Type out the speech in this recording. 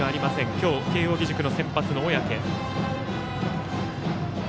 今日、慶応義塾の先発の小宅。